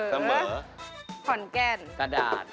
สมอก่อนแก้นกระดาษ